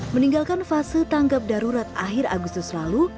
meninggalkan fase tanggap darurat akhir agustus lalu